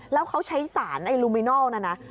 แล้วเขาใช้สารไอลูมินัล